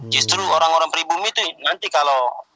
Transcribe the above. justru orang orang pribumi itu nanti kalau